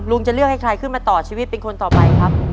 จะเลือกให้ใครขึ้นมาต่อชีวิตเป็นคนต่อไปครับ